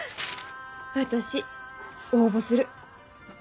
私応募する。